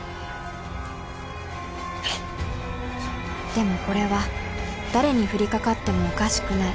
でもこれは誰に降りかかってもおかしくない